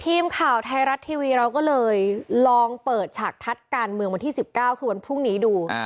ทีมข่าวไทยรัฐทีวีเราก็เลยลองเปิดฉากทัศน์การเมืองวันที่๑๙คือวันพรุ่งนี้ดู